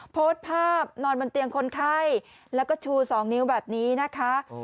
โพสต์ภาพนอนบนเตียงคนไข้แล้วก็ชู๒นิ้วแบบนี้นะคะ